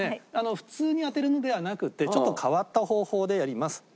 普通に当てるのではなくてちょっと変わった方法でやります。